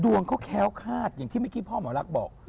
ดวงเขาแค้วคาดอย่างที่ไมคิดพ่อหมอรักบอก